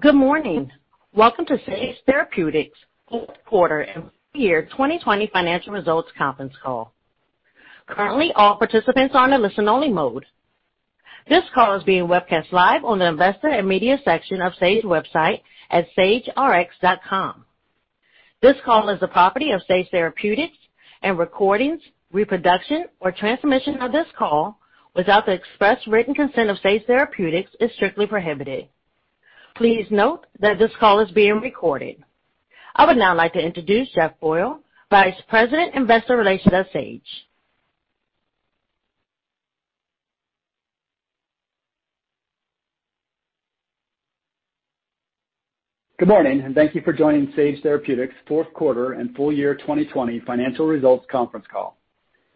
Good morning. Welcome to Sage Therapeutics' fourth quarter and full year 2020 financial results conference call. Currently, all participants are in listen only mode. This call is being webcast live on the investor and media section of Sage website at sagerx.com. This call is the property of Sage Therapeutics, and recordings, reproduction, or transmission of this call without the express written consent of Sage Therapeutics is strictly prohibited. Please note that this call is being recorded. I would now like to introduce Jeff Boyle, Vice President, Investor Relations at Sage. Good morning, thank you for joining Sage Therapeutics' fourth quarter and full year 2020 financial results conference call.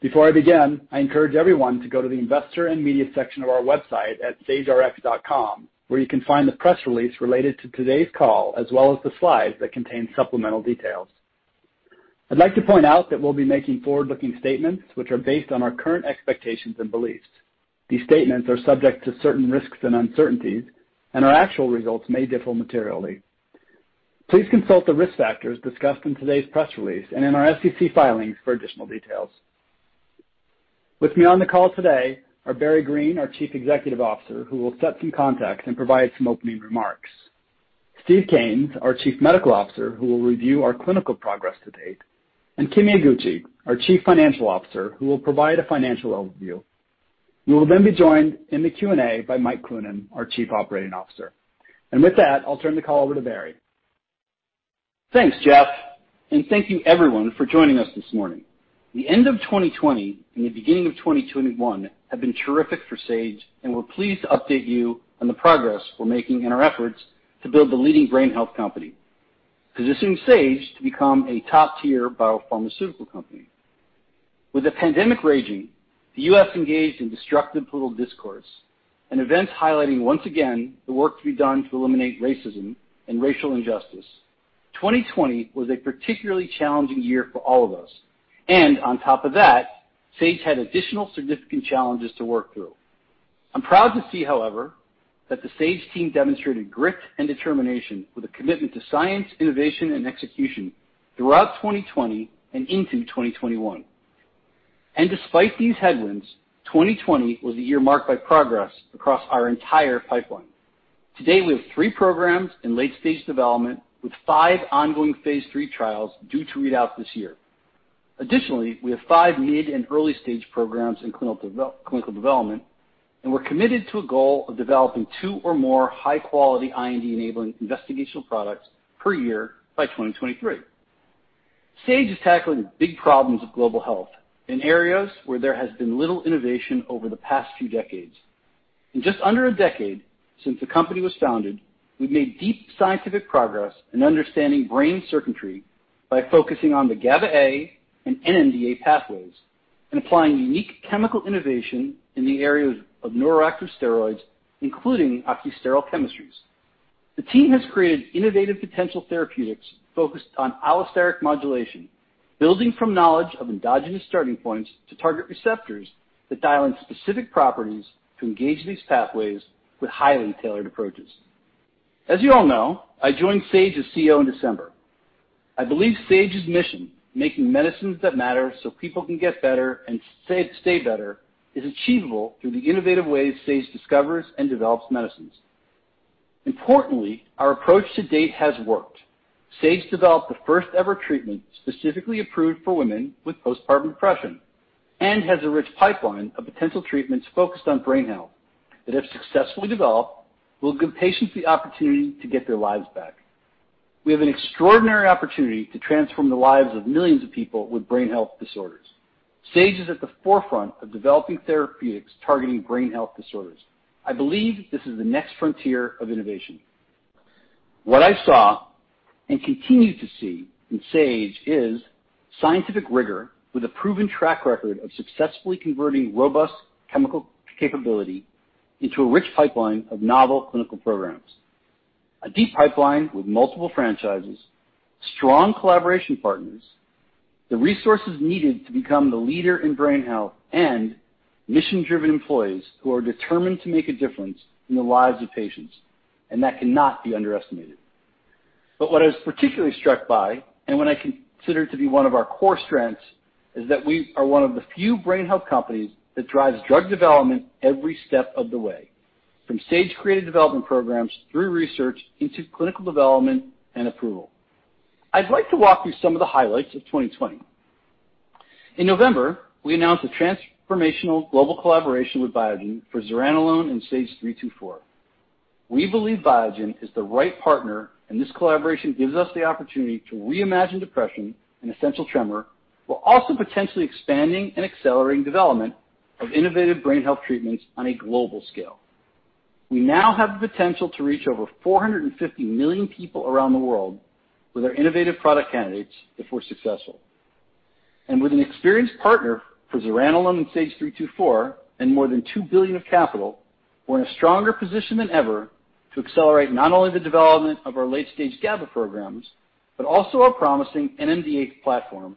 Before I begin, I encourage everyone to go to the investor and media section of our website at sagerx.com, where you can find the press release related to today's call as well as the slides that contain supplemental details. I'd like to point out that we'll be making forward-looking statements which are based on our current expectations and beliefs. These statements are subject to certain risks and uncertainties, and our actual results may differ materially. Please consult the risk factors discussed in today's press release and in our SEC filings for additional details. With me on the call today are Barry Greene, our Chief Executive Officer, who will set some context and provide some opening remarks, Steve Kanes, our Chief Medical Officer, who will review our clinical progress to date, and Kimi Iguchi, our Chief Financial Officer, who will provide a financial overview. We will then be joined in the Q&A by Mike Cloonan, our Chief Operating Officer. With that, I'll turn the call over to Barry. Thanks, Jeff. Thank you, everyone, for joining us this morning. The end of 2020 and the beginning of 2021 have been terrific for Sage, and we're pleased to update you on the progress we're making in our efforts to build the leading brain health company, positioning Sage to become a top-tier biopharmaceutical company. With the pandemic raging, the U.S. engaged in destructive political discourse and events highlighting once again the work to be done to eliminate racism and racial injustice. 2020 was a particularly challenging year for all of us. On top of that, Sage had additional significant challenges to work through. I'm proud to see, however, that the Sage team demonstrated grit and determination with a commitment to science, innovation, and execution throughout 2020 and into 2021. Despite these headwinds, 2020 was a year marked by progress across our entire pipeline. To date, we have three programs in late-stage development with five ongoing phase III trials due to read out this year. Additionally, we have five mid and early-stage programs in clinical development, and we're committed to a goal of developing two or more high-quality IND-enabling investigational products per year by 2023. Sage is tackling big problems of global health in areas where there has been little innovation over the past few decades. In just under a decade since the company was founded, we've made deep scientific progress in understanding brain circuitry by focusing on the GABA-A and NMDA pathways and applying unique chemical innovation in the areas of neuroactive steroids, including oxysterol chemistries. The team has created innovative potential therapeutics focused on allosteric modulation, building from knowledge of endogenous starting points to target receptors that dial in specific properties to engage these pathways with highly tailored approaches. As you all know, I joined Sage as CEO in December. I believe Sage's mission, making medicines that matter so people can get better and stay better, is achievable through the innovative ways Sage discovers and develops medicines. Importantly, our approach to date has worked. Sage developed the first ever treatment specifically approved for women with postpartum depression and has a rich pipeline of potential treatments focused on brain health that, if successfully developed, will give patients the opportunity to get their lives back. We have an extraordinary opportunity to transform the lives of millions of people with brain health disorders. Sage is at the forefront of developing therapeutics targeting brain health disorders. I believe this is the next frontier of innovation. What I saw and continue to see in Sage is scientific rigor with a proven track record of successfully converting robust chemical capability into a rich pipeline of novel clinical programs. A deep pipeline with multiple franchises, strong collaboration partners, the resources needed to become the leader in brain health, mission-driven employees who are determined to make a difference in the lives of patients, and that cannot be underestimated. What I was particularly struck by, and what I consider to be one of our core strengths, is that we are one of the few brain health companies that drives drug development every step of the way, from Sage-created development programs through research into clinical development and approval. I'd like to walk through some of the highlights of 2020. In November, we announced a transformational global collaboration with Biogen for zuranolone and SAGE-324. We believe Biogen is the right partner, and this collaboration gives us the opportunity to reimagine depression and essential tremor, while also potentially expanding and accelerating development of innovative brain health treatments on a global scale. We now have the potential to reach over 450 million people around the world with our innovative product candidates if we're successful. With an experienced partner for zuranolone and SAGE-324 and more than $2 billion of capital, we're in a stronger position than ever to accelerate not only the development of our late-stage GABA programs, but also our promising NMDA platform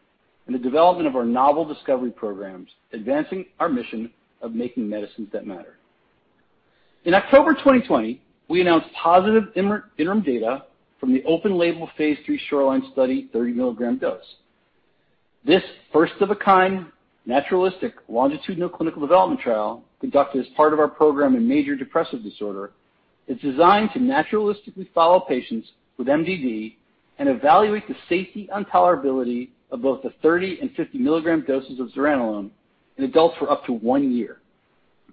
in the development of our novel discovery programs, advancing our mission of making medicines that matter. In October 2020, we announced positive interim data from the open label phase III SHORELINE study, 30 mg dose. This first-of-a-kind, naturalistic, longitudinal clinical development trial, conducted as part of our program in major depressive disorder, is designed to naturalistically follow patients with MDD and evaluate the safety and tolerability of both the 30 mg and 50 mg doses of zuranolone in adults for up to one year.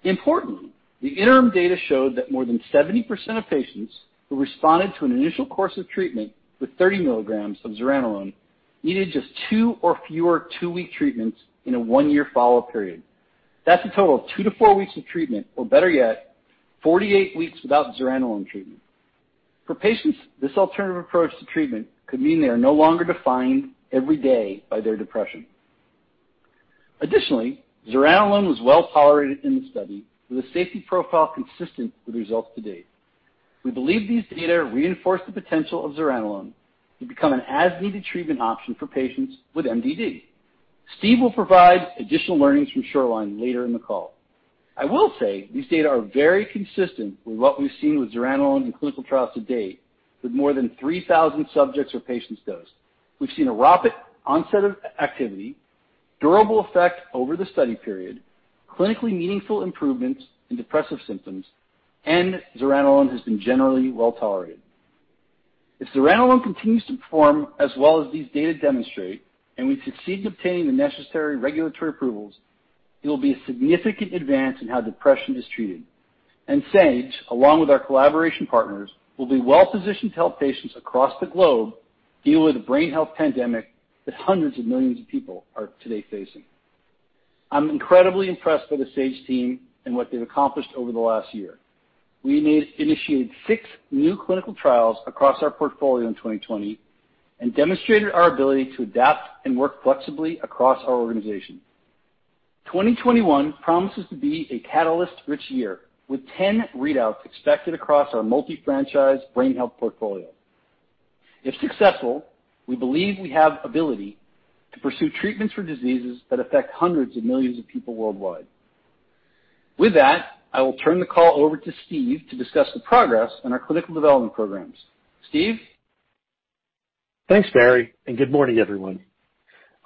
Importantly, the interim data showed that more than 70% of patients who responded to an initial course of treatment with 30 mg of zuranolone needed just two or fewer two-week treatments in a one-year follow-up period. That's a total of two to four weeks of treatment, or better yet, 48 weeks without zuranolone treatment. For patients, this alternative approach to treatment could mean they are no longer defined every day by their depression. Additionally, zuranolone was well-tolerated in the study, with a safety profile consistent with results to date. We believe these data reinforce the potential of zuranolone to become an as-needed treatment option for patients with MDD. Steve will provide additional learnings from SHORELINE later in the call. I will say these data are very consistent with what we've seen with zuranolone in clinical trials to date, with more than 3,000 subjects or patients dosed. We've seen a rapid onset of activity, durable effect over the study period, clinically meaningful improvements in depressive symptoms, and zuranolone has been generally well-tolerated. If zuranolone continues to perform as well as these data demonstrate, and we succeed in obtaining the necessary regulatory approvals, it will be a significant advance in how depression is treated. Sage, along with our collaboration partners, will be well positioned to help patients across the globe deal with the brain health pandemic that hundreds of millions of people are today facing. I'm incredibly impressed by the Sage team and what they've accomplished over the last year. We initiated six new clinical trials across our portfolio in 2020 and demonstrated our ability to adapt and work flexibly across our organization. 2021 promises to be a catalyst-rich year, with 10 readouts expected across our multi-franchise brain health portfolio. If successful, we believe we have ability to pursue treatments for diseases that affect hundreds of millions of people worldwide. I will turn the call over to Steve to discuss the progress in our clinical development programs. Steve? Thanks, Barry. Good morning, everyone.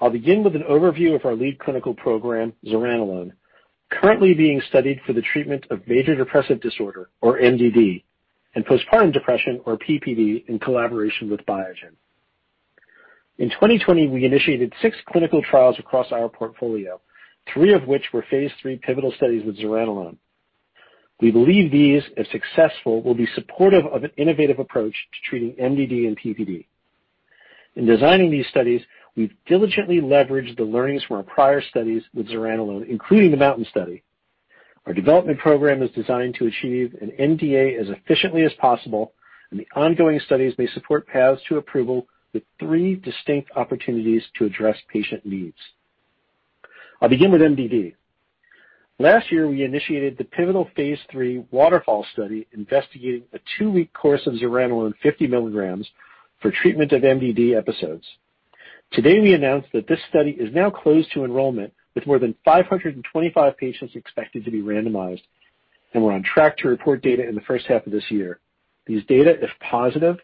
I'll begin with an overview of our lead clinical program, zuranolone, currently being studied for the treatment of major depressive disorder, or MDD, and postpartum depression, or PPD, in collaboration with Biogen. In 2020, we initiated six clinical trials across our portfolio, three of which were phase III pivotal studies with zuranolone. We believe these, if successful, will be supportive of an innovative approach to treating MDD and PPD. In designing these studies, we've diligently leveraged the learnings from our prior studies with zuranolone, including the MOUNTAIN study. Our development program is designed to achieve an NDA as efficiently as possible. The ongoing studies may support paths to approval with three distinct opportunities to address patient needs. I'll begin with MDD. Last year, we initiated the pivotal phase III WATERFALL Study investigating a two-week course of zuranolone 50 mg for treatment of MDD episodes. Today, we announced that this study is now closed to enrollment, with more than 525 patients expected to be randomized, and we're on track to report data in the first half of this year. These data, if positive,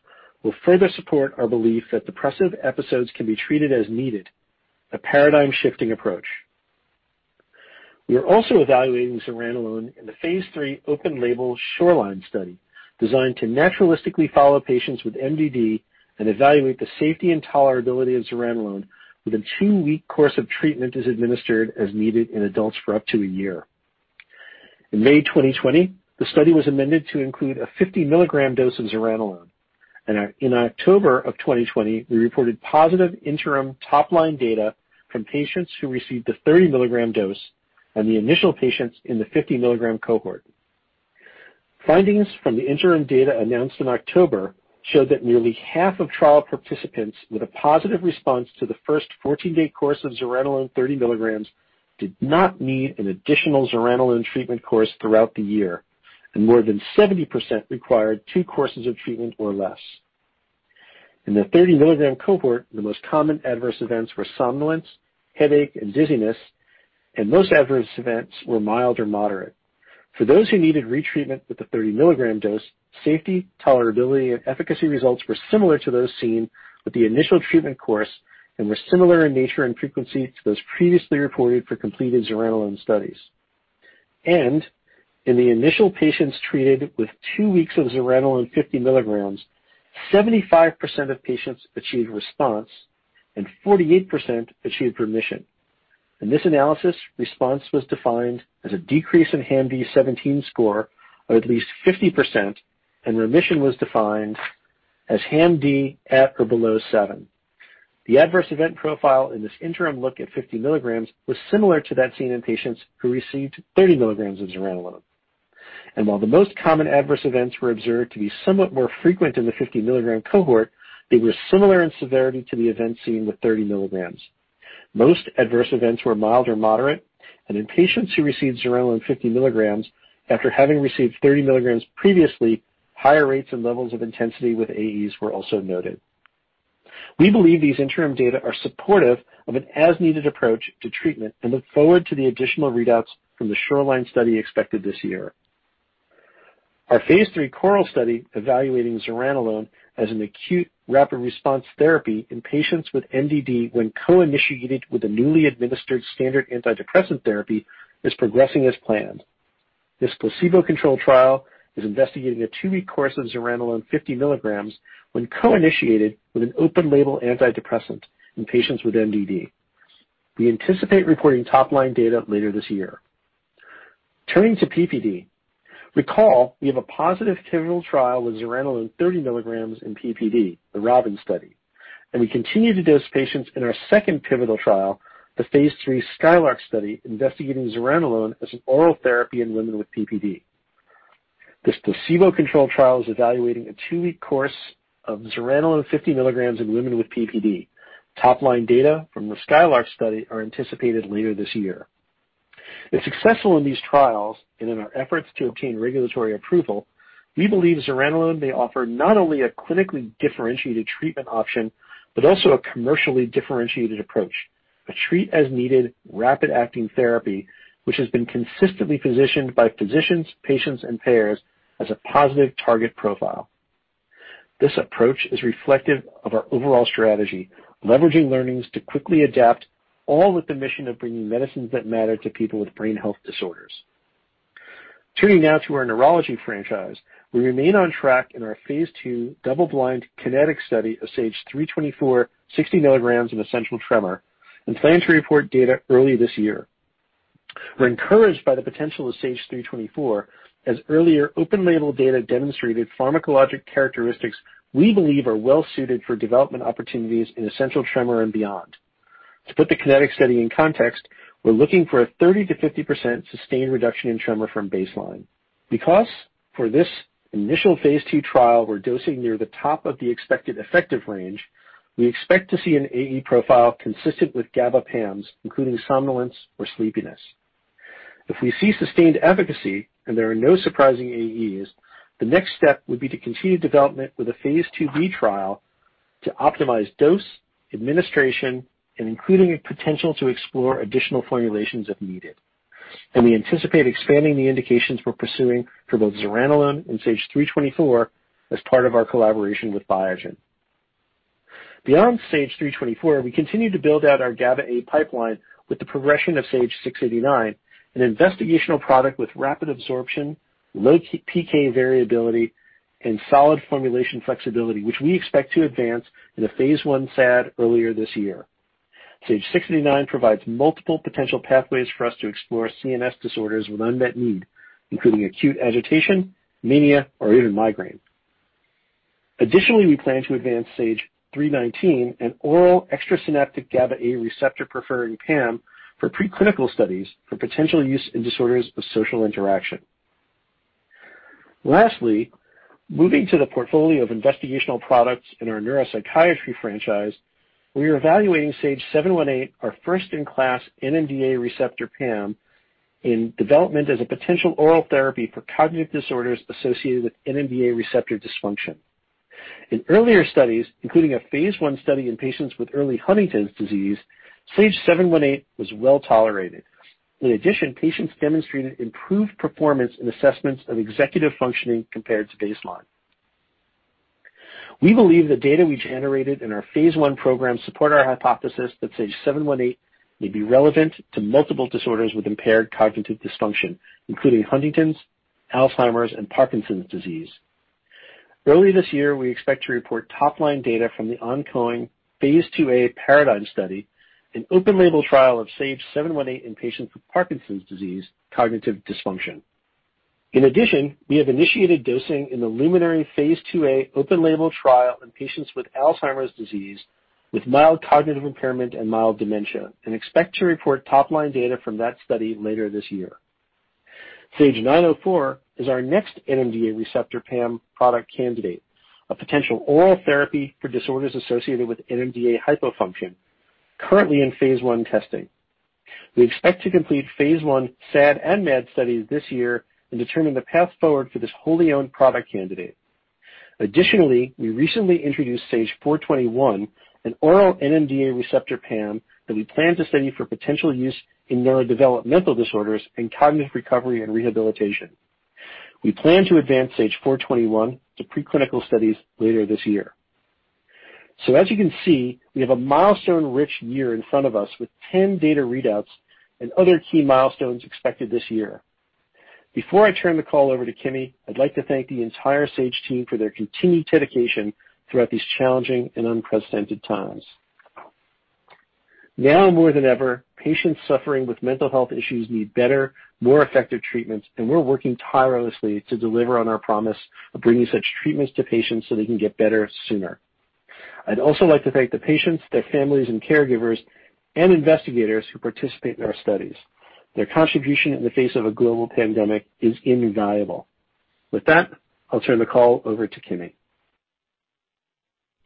will further support our belief that depressive episodes can be treated as needed, a paradigm-shifting approach. We are also evaluating zuranolone in the phase III open-label SHORELINE Study, designed to naturalistically follow patients with MDD and evaluate the safety and tolerability of zuranolone with a two-week course of treatment as administered as needed in adults for up to a year. In May 2020, the study was amended to include a 50 mg dose of zuranolone. In October of 2020, we reported positive interim top-line data from patients who received the 30 mg dose and the initial patients in the 50 mg cohort. Findings from the interim data announced in October showed that nearly half of trial participants with a positive response to the first 14-day course of zuranolone 30 mg did not need an additional zuranolone treatment course throughout the year. More than 70% required two courses of treatment or less. In the 30 mg cohort, the most common adverse events were somnolence, headache, and dizziness. Most adverse events were mild or moderate. For those who needed retreatment with the 30 mg dose, safety, tolerability, and efficacy results were similar to those seen with the initial treatment course and were similar in nature and frequency to those previously reported for completed zuranolone studies. In the initial patients treated with two weeks of zuranolone 50 mg, 75% of patients achieved response and 48% achieved remission. In this analysis, response was defined as a decrease in HAM-D17 score of at least 50%, and remission was defined as HAM-D at or below seven. The adverse event profile in this interim look at 50 mg was similar to that seen in patients who received 30 milligrams of zuranolone. While the most common adverse events were observed to be somewhat more frequent in the 50 mg cohort, they were similar in severity to the events seen with 30 mg. Most adverse events were mild or moderate. In patients who received zuranolone 50 mg after having received 30 mg previously, higher rates and levels of intensity with AEs were also noted. We believe these interim data are supportive of an as-needed approach to treatment and look forward to the additional readouts from the SHORELINE study expected this year. Our phase III CORAL study evaluating zuranolone as an acute rapid response therapy in patients with MDD when co-initiated with a newly administered standard antidepressant therapy is progressing as planned. This placebo-controlled trial is investigating a two-week course of zuranolone 50 mg when co-initiated with an open label antidepressant in patients with MDD. We anticipate reporting top-line data later this year. Turning to PPD. Recall, we have a positive pivotal trial with zuranolone 30 mg in PPD, the ROBIN study, and we continue to dose patients in our second pivotal trial, the phase III SKYLARK study, investigating zuranolone as an oral therapy in women with PPD. This placebo-controlled trial is evaluating a two-week course of zuranolone 50 mg in women with PPD. Top-line data from the SKYLARK study are anticipated later this year. If successful in these trials and in our efforts to obtain regulatory approval, we believe zuranolone may offer not only a clinically differentiated treatment option, but also a commercially differentiated approach. A treat as needed rapid acting therapy, which has been consistently positioned by physicians, patients, and payers as a positive target profile. This approach is reflective of our overall strategy, leveraging learnings to quickly adapt, all with the mission of bringing medicines that matter to people with brain health disorders. Turning now to our neurology franchise. We remain on track in our phase II double-blind KINETIC study of SAGE-324 60 mg in essential tremor and plan to report data early this year. We're encouraged by the potential of SAGE-324 as earlier open label data demonstrated pharmacologic characteristics we believe are well suited for development opportunities in essential tremor and beyond. To put the KINETIC study in context, we're looking for a 30%-50% sustained reduction in tremor from baseline. Because for this initial phase II trial we're dosing near the top of the expected effective range, we expect to see an AE profile consistent with GABA PAMs, including somnolence or sleepiness. If we see sustained efficacy and there are no surprising AEs, the next step would be to continue development with a phase II-B trial to optimize dose, administration, and including a potential to explore additional formulations if needed. We anticipate expanding the indications we're pursuing for both zuranolone and SAGE-324 as part of our collaboration with Biogen. Beyond SAGE-324, we continue to build out our GABA-A pipeline with the progression of SAGE-689, an investigational product with rapid absorption, low PK variability, and solid formulation flexibility, which we expect to advance in a phase I SAD earlier this year. SAGE-689 provides multiple potential pathways for us to explore CNS disorders with unmet need, including acute agitation, mania, or even migraine. Additionally, we plan to advance SAGE-319, an oral extrasynaptic GABA-A receptor preferring PAM for preclinical studies for potential use in disorders of social interaction. Lastly, moving to the portfolio of investigational products in our neuropsychiatry franchise, we are evaluating SAGE-718, our first in class NMDA receptor PAM in development as a potential oral therapy for cognitive disorders associated with NMDA receptor dysfunction. In earlier studies, including a phase I study in patients with early Huntington's disease, SAGE-718 was well tolerated. Patients demonstrated improved performance in assessments of executive functioning compared to baseline. We believe the data we generated in our phase I program support our hypothesis that SAGE-718 may be relevant to multiple disorders with impaired cognitive dysfunction, including Huntington's, Alzheimer's, and Parkinson's disease. Early this year, we expect to report top-line data from the ongoing phase II-A PARADIGM study, an open-label trial of SAGE-718 in patients with Parkinson's disease cognitive dysfunction. We have initiated dosing in the LUMINARY phase II-A open-label trial in patients with Alzheimer's disease with mild cognitive impairment and mild dementia, and expect to report top-line data from that study later this year. SAGE-904 is our next NMDA receptor PAM product candidate, a potential oral therapy for disorders associated with NMDA hypofunction currently in phase I testing. We expect to complete phase I SAD and MAD studies this year and determine the path forward for this wholly owned product candidate. Additionally, we recently introduced SAGE-421, an oral NMDA receptor PAM that we plan to study for potential use in neurodevelopmental disorders and cognitive recovery and rehabilitation. We plan to advance SAGE-421 to pre-clinical studies later this year. As you can see, we have a milestone rich year in front of us with 10 data readouts and other key milestones expected this year. Before I turn the call over to Kimi, I'd like to thank the entire Sage team for their continued dedication throughout these challenging and unprecedented times. Now more than ever, patients suffering with mental health issues need better, more effective treatments. We're working tirelessly to deliver on our promise of bringing such treatments to patients so they can get better sooner. I'd also like to thank the patients, their families and caregivers, and investigators who participate in our studies. Their contribution in the face of a global pandemic is invaluable. With that, I'll turn the call over to Kimi.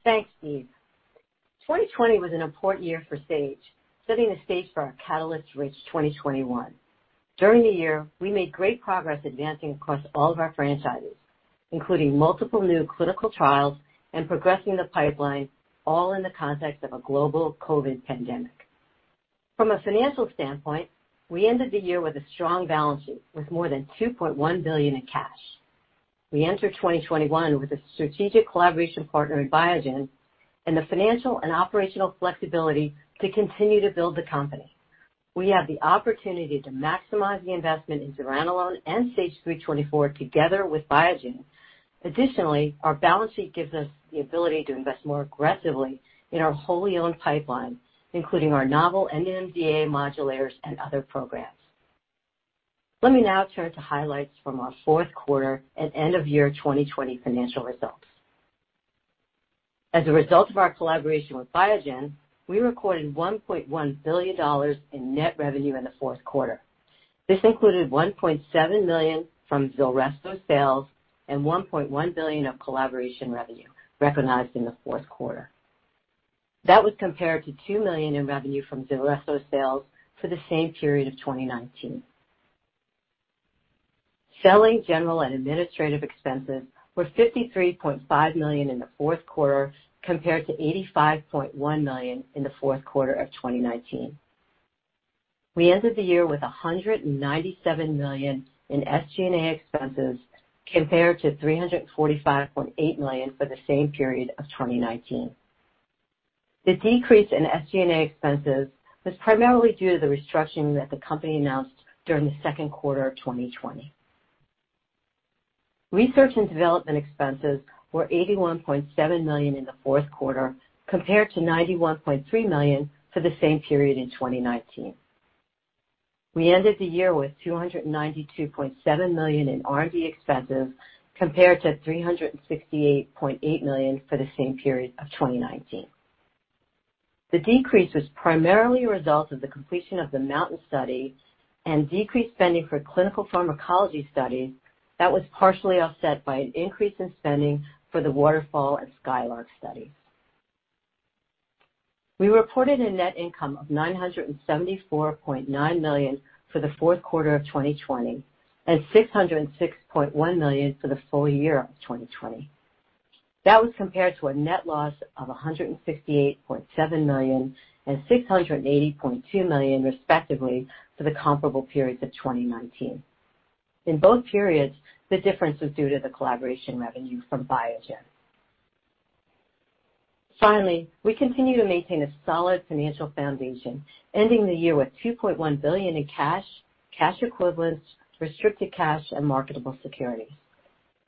Thanks, Steve. 2020 was an important year for Sage, setting the stage for a catalyst-rich 2021. During the year, we made great progress advancing across all of our franchises, including multiple new clinical trials and progressing the pipeline, all in the context of a global COVID pandemic. From a financial standpoint, we ended the year with a strong balance sheet, with more than $2.1 billion in cash. We entered 2021 with a strategic collaboration partner in Biogen and the financial and operational flexibility to continue to build the company. We have the opportunity to maximize the investment in zuranolone and SAGE-324 together with Biogen. Our balance sheet gives us the ability to invest more aggressively in our wholly owned pipeline, including our novel NMDA modulators and other programs. Let me now turn to highlights from our fourth quarter and end of year 2020 financial results. As a result of our collaboration with Biogen, we recorded $1.1 billion in net revenue in the fourth quarter. This included $1.7 million from ZULRESSO sales and $1.1 billion of collaboration revenue recognized in the fourth quarter. That was compared to $2 million in revenue from ZULRESSO sales for the same period of 2019. Selling, general, and administrative expenses were $53.5 million in the fourth quarter compared to $85.1 million in the fourth quarter of 2019. We ended the year with $197 million in SG&A expenses compared to $345.8 million for the same period of 2019. The decrease in SG&A expenses was primarily due to the restructuring that the company announced during the second quarter of 2020. Research and development expenses were $81.7 million in the fourth quarter compared to $91.3 million for the same period in 2019. We ended the year with $292.7 million in R&D expenses compared to $368.8 million for the same period of 2019. The decrease was primarily a result of the completion of the MOUNTAIN study and decreased spending for clinical pharmacology studies that was partially offset by an increase in spending for the WATERFALL and SKYLARK studies. We reported a net income of $974.9 million for the fourth quarter of 2020 and $606.1 million for the full year of 2020. That was compared to a net loss of $168.7 million and $680.2 million respectively to the comparable periods of 2019. In both periods, the difference was due to the collaboration revenue from Biogen. Finally, we continue to maintain a solid financial foundation, ending the year with $2.1 billion in cash equivalents, restricted cash, and marketable securities.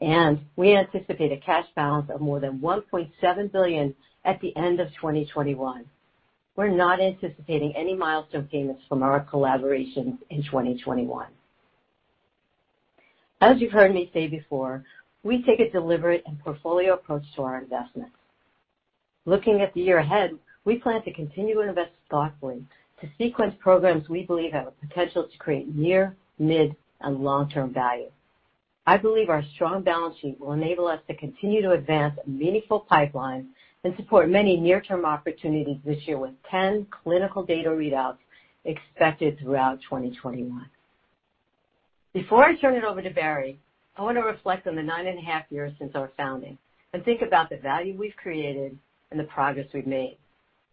We anticipate a cash balance of more than $1.7 billion at the end of 2021. We're not anticipating any milestone payments from our collaborations in 2021. As you've heard me say before, we take a deliberate and portfolio approach to our investments. Looking at the year ahead, we plan to continue to invest thoughtfully to sequence programs we believe have the potential to create near, mid, and long-term value. I believe our strong balance sheet will enable us to continue to advance a meaningful pipeline and support many near-term opportunities this year with 10 clinical data readouts expected throughout 2021. Before I turn it over to Barry, I want to reflect on the nine and a half years since our founding and think about the value we've created and the progress we've made.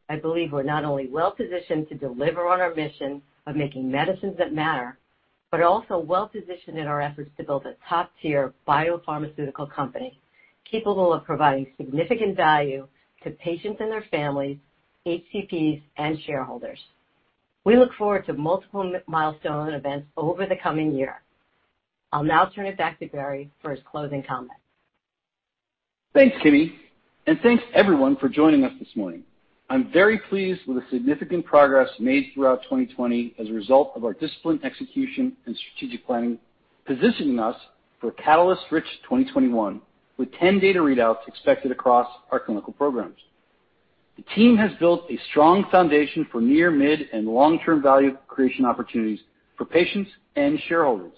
I believe we're not only well-positioned to deliver on our mission of making medicines that matter, but also well-positioned in our efforts to build a top-tier biopharmaceutical company capable of providing significant value to patients and their families, HCPs, and shareholders. We look forward to multiple milestone events over the coming year. I'll now turn it back to Barry for his closing comments. Thanks, Kimi. Thanks, everyone, for joining us this morning. I'm very pleased with the significant progress made throughout 2020 as a result of our disciplined execution and strategic planning, positioning us for a catalyst-rich 2021 with 10 data readouts expected across our clinical programs. The team has built a strong foundation for near, mid, and long-term value creation opportunities for patients and shareholders.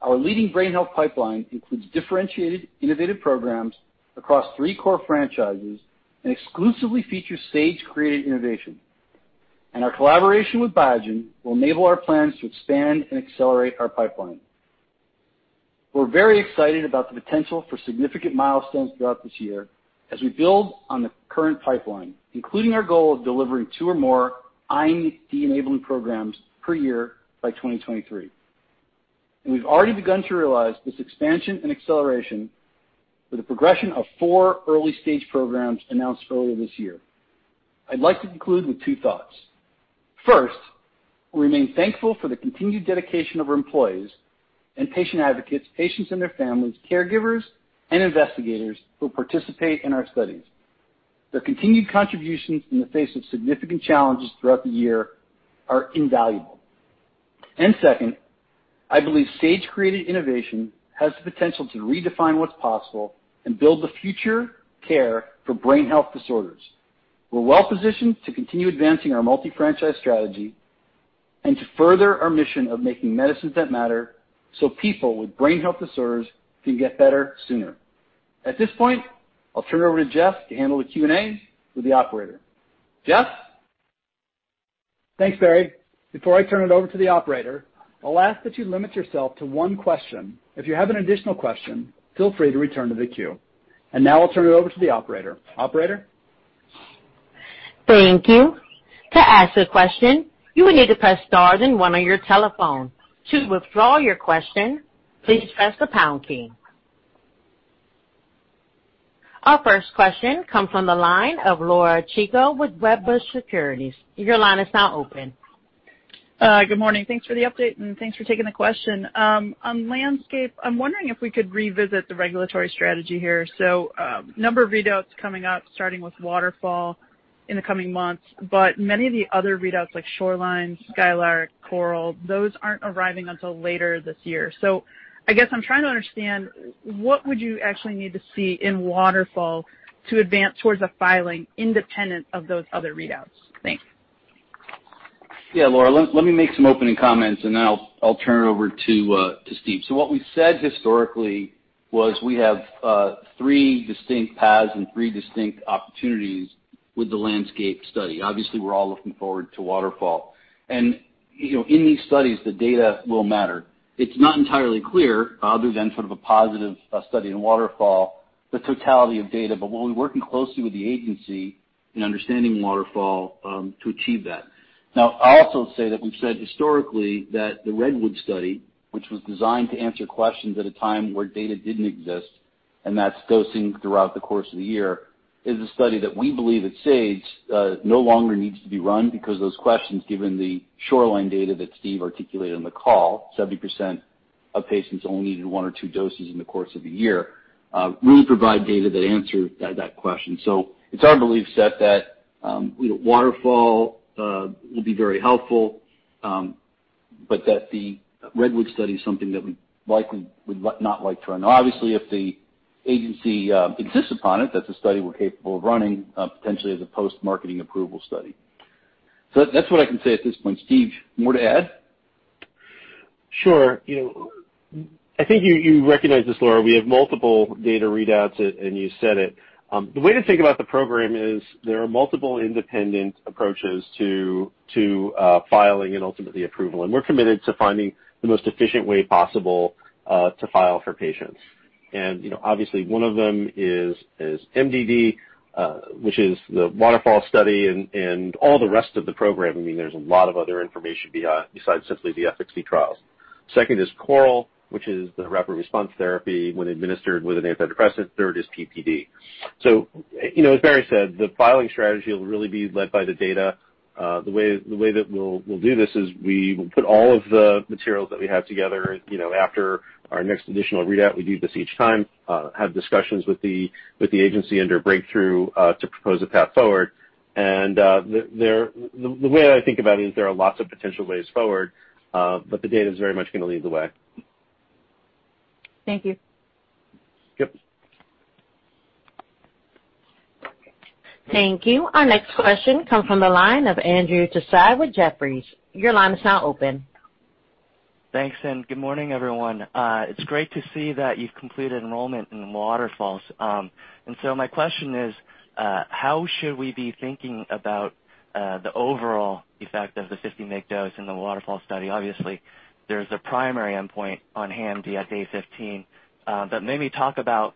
Our leading brain health pipeline includes differentiated innovative programs across three core franchises and exclusively features Sage created innovation. Our collaboration with Biogen will enable our plans to expand and accelerate our pipeline. We're very excited about the potential for significant milestones throughout this year as we build on the current pipeline, including our goal of delivering two or more IND-enabling programs per year by 2023. We've already begun to realize this expansion and acceleration with the progression of four early-stage programs announced earlier this year. I'd like to conclude with two thoughts. First, we remain thankful for the continued dedication of our employees and patient advocates, patients and their families, caregivers, and investigators who participate in our studies. Their continued contributions in the face of significant challenges throughout the year are invaluable. Second, I believe Sage created innovation has the potential to redefine what's possible and build the future care for brain health disorders. We're well-positioned to continue advancing our multi-franchise strategy and to further our mission of making medicines that matter so people with brain health disorders can get better sooner. At this point, I'll turn it over to Jeff to handle the Q&A with the operator. Jeff? Thanks, Barry. Before I turn it over to the operator, I'll ask that you limit yourself to one question. If you have an additional question, feel free to return to the queue. Now I'll turn it over to the operator. Operator? Thank you. Our first question comes from the line of Laura Chico with Wedbush Securities. Your line is now open. Good morning. Thanks for the update. Thanks for taking the question. On LANDSCAPE, I'm wondering if we could revisit the regulatory strategy here. A number of readouts coming up, starting with WATERFALL in the coming months, but many of the other readouts like SHORELINE, SKYLARK, CORAL, those aren't arriving until later this year. I guess I'm trying to understand, what would you actually need to see in WATERFALL to advance towards a filing independent of those other readouts? Thanks. Yeah, Laura. Let me make some opening comments, and then I'll turn it over to Steve. What we've said historically was we have three distinct paths and three distinct opportunities with the LANDSCAPE study. Obviously, we're all looking forward to WATERFALL. In these studies, the data will matter. It's not entirely clear, other than sort of a positive study in WATERFALL, the totality of data. We'll be working closely with the agency in understanding WATERFALL to achieve that. I'll also say that we've said historically that the REDWOOD study, which was designed to answer questions at a time where data didn't exist, and that's dosing throughout the course of the year, is a study that we believe at Sage no longer needs to be run because those questions, given the SHORELINE data that Steve articulated on the call, 70% of patients only needed one or two doses in the course of a year, really provide data that answer that question. It's our belief, [said], that WATERFALL will be very helpful, but that the REDWOOD study is something that we likely would not like to run. Obviously, if the agency insists upon it, that's a study we're capable of running, potentially as a post-marketing approval study. That's what I can say at this point. Steve, more to add? Sure. I think you recognize this, Laura. We have multiple data readouts. You said it. The way to think about the program is there are multiple independent approaches to filing and ultimately approval, and we're committed to finding the most efficient way possible to file for patients. Obviously one of them is MDD, which is the WATERFALL study and all the rest of the program. There's a lot of other information besides simply the efficacy trials. Second is CORAL, which is the rapid response therapy when administered with an antidepressant. Third is PPD. As Barry said, the filing strategy will really be led by the data. The way that we'll do this is we will put all of the materials that we have together after our next additional readout. We do this each time, have discussions with the agency under breakthrough to propose a path forward. The way I think about it is there are lots of potential ways forward, but the data is very much going to lead the way. Thank you. Yep. Thank you. Our next question comes from the line of Andrew Tsai with Jefferies. Your line is now open. Thanks, good morning, everyone. It's great to see that you've completed enrollment in WATERFALL. My question is, how should we be thinking about the overall effect of the 50 mg dose in the WATERFALL study? Obviously, there's a primary endpoint on HAM-D at day 15. Maybe talk about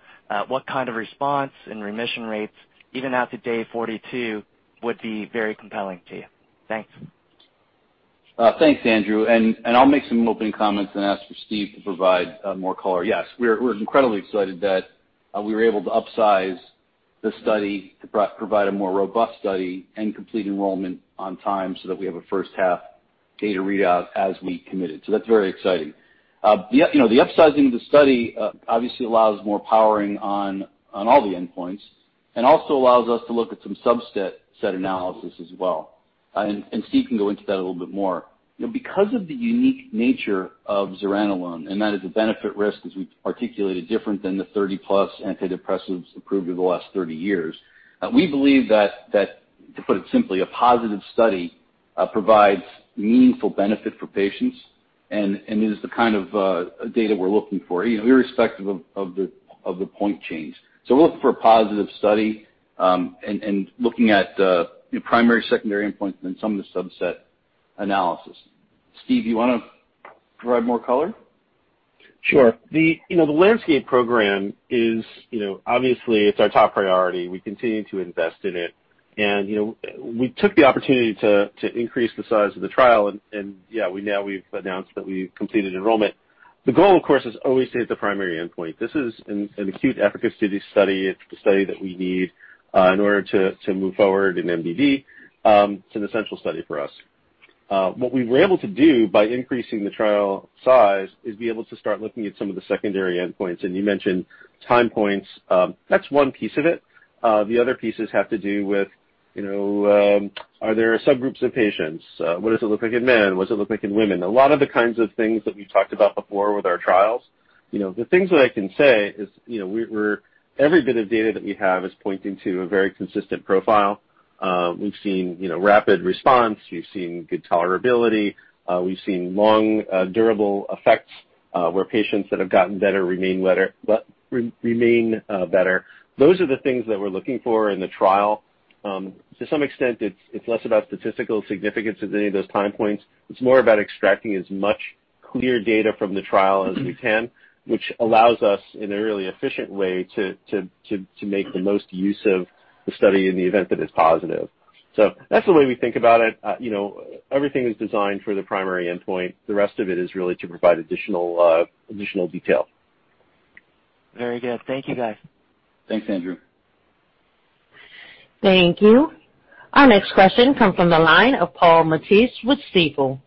what kind of response and remission rates, even out to day 42, would be very compelling to you. Thanks. Thanks, Andrew. I'll make some opening comments and ask for Steve to provide more color. Yes, we're incredibly excited that we were able to upsize the study to provide a more robust study and complete enrollment on time so that we have a first-half data readout as we committed. That's very exciting. The upsizing of the study obviously allows more powering on all the endpoints and also allows us to look at some subset analysis as well. Steve can go into that a little bit more. Because of the unique nature of zuranolone, and that is the benefit risk, as we've articulated, different than the 30+ antidepressants approved over the last 30 years. We believe that, to put it simply, a positive study provides meaningful benefit for patients and is the kind of data we're looking for, irrespective of the point change. We're looking for a positive study, and looking at primary, secondary endpoints and then some of the subset analysis. Steve, you want to provide more color? Sure. The LANDSCAPE program is obviously our top priority. We continue to invest in it. We took the opportunity to increase the size of the trial, and yeah, now we've announced that we've completed enrollment. The goal, of course, is always to hit the primary endpoint. This is an acute efficacy study. It's the study that we need in order to move forward in MDD. It's an essential study for us. What we were able to do by increasing the trial size is be able to start looking at some of the secondary endpoints, and you mentioned time points. That's one piece of it. The other pieces have to do with, are there subgroups of patients? What does it look like in men? What does it look like in women? A lot of the kinds of things that we've talked about before with our trials. The things that I can say is every bit of data that we have is pointing to a very consistent profile. We've seen rapid response. We've seen good tolerability. We've seen long durable effects where patients that have gotten better remain better. Those are the things that we're looking for in the trial. To some extent, it's less about statistical significance at any of those time points. It's more about extracting as much clear data from the trial as we can, which allows us in a really efficient way to make the most use of the study in the event that it's positive. That's the way we think about it. Everything is designed for the primary endpoint. The rest of it is really to provide additional detail. Very good. Thank you, guys. Thanks, Andrew. Thank you. Our next question comes from the line of Paul Matteis with Stifel.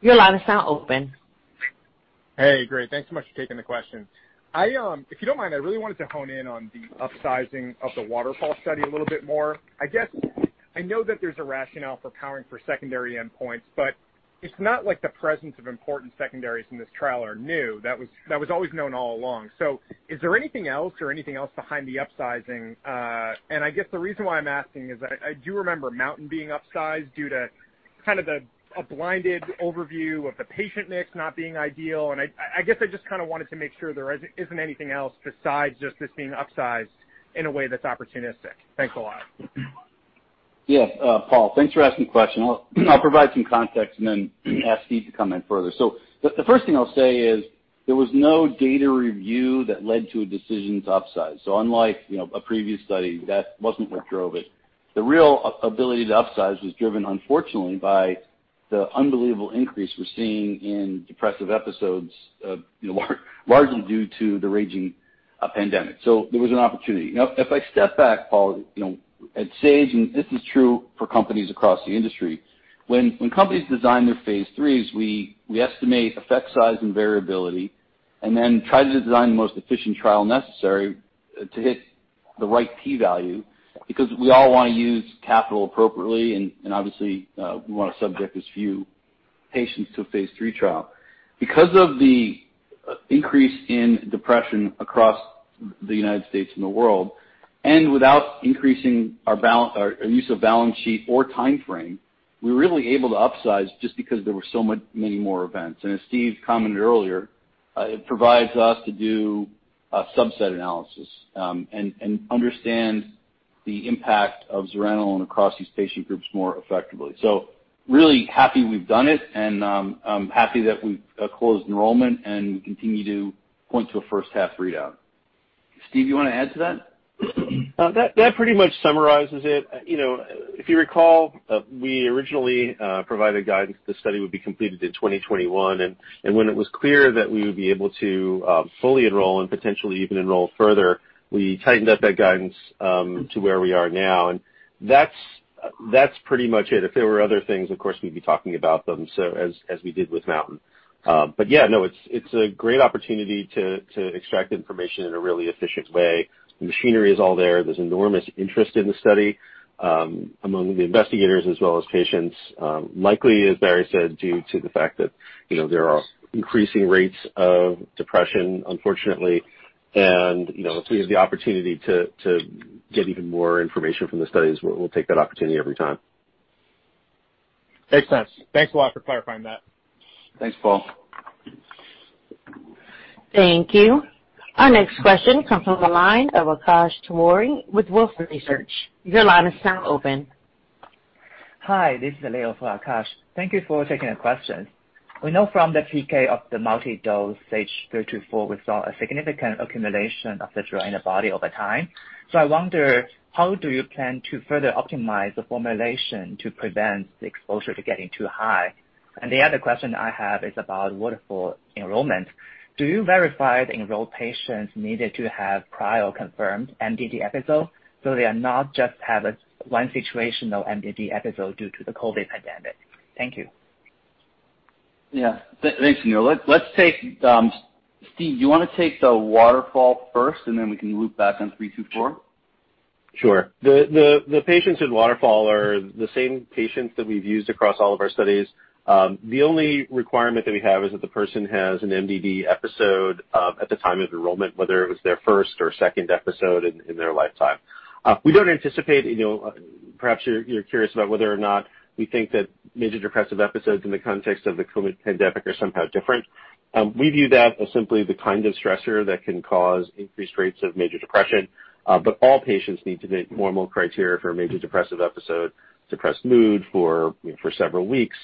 Your line is now open. Hey, great. Thanks so much for taking the question. If you don't mind, I really wanted to hone in on the upsizing of the WATERFALL study a little bit more. I know that there's a rationale for powering for secondary endpoints, but it's not like the presence of important secondaries in this trial are new. That was always known all along. Is there anything else or anything else behind the upsizing? I guess the reason why I'm asking is that I do remember MOUNTAIN being upsized due to kind of a blinded overview of the patient mix not being ideal, and I guess I just kind of wanted to make sure there isn't anything else besides just this being upsized in a way that's opportunistic. Thanks a lot. Yes. Paul, thanks for asking the question. I'll provide some context and then ask Steve to comment further. The first thing I'll say is there was no data review that led to a decision to upsize. Unlike a previous study, that wasn't what drove it. The real ability to upsize was driven, unfortunately, by the unbelievable increase we're seeing in depressive episodes, largely due to the raging pandemic. There was an opportunity. If I step back, Paul, at Sage, and this is true for companies across the industry, when companies design their phase IIIs, we estimate effect size and variability and then try to design the most efficient trial necessary to hit the right P value because we all want to use capital appropriately, and obviously, we want to subject as few patients to a phase III trial. Because of the increase in depression across the United States and the world, and without increasing our use of balance sheet or timeframe, we were really able to upsize just because there were so many more events. As Steve commented earlier, it provides us to do a subset analysis and understand the impact of zuranolone and across these patient groups more effectively. Really happy we've done it, and I'm happy that we've closed enrollment, and we continue to point to a first half readout. Steve, you want to add to that? That pretty much summarizes it. If you recall, we originally provided guidance that the study would be completed in 2021, and when it was clear that we would be able to fully enroll and potentially even enroll further, we tightened up that guidance to where we are now, and that's pretty much it. If there were other things, of course, we'd be talking about them as we did with MOUNTAIN. But yeah, no, it's a great opportunity to extract information in a really efficient way. The machinery is all there. There's enormous interest in the study among the investigators as well as patients. Likely, as Barry said, due to the fact that there are increasing rates of depression, unfortunately, and if we have the opportunity to get even more information from the studies, we'll take that opportunity every time. Makes sense. Thanks a lot for clarifying that. Thanks, Paul. Thank you. Our next question comes from the line of Akash Tewari with Wolfe Research. Your line is now open. Hi, this is [Leo] for Akash. Thank you for taking the question. We know from the PK of the multi-dose SAGE-324, we saw a significant accumulation of the drug in the body over time. I wonder how do you plan to further optimize the formulation to prevent the exposure to getting too high? The other question I have is about WATERFALL enrollment. Do you verify the enrolled patients needed to have prior confirmed MDD episode, so they are not just have a one situational MDD episode due to the COVID pandemic? Thank you. Yeah. Thanks, [Leo]. Steve, do you want to take the WATERFALL first, and then we can loop back on 324? Sure. The patients in WATERFALL are the same patients that we've used across all of our studies. The only requirement that we have is that the person has an MDD episode at the time of enrollment, whether it was their first or second episode in their lifetime. We don't anticipate, perhaps you're curious about whether or not we think that major depressive episodes in the context of the COVID pandemic are somehow different. We view that as simply the kind of stressor that can cause increased rates of major depression. All patients need to meet formal criteria for a major depressive episode, depressed mood for several weeks